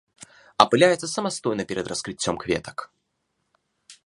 Апыляецца самастойна перад раскрыццём кветак.